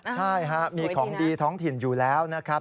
ใช่ฮะมีของดีท้องถิ่นอยู่แล้วนะครับ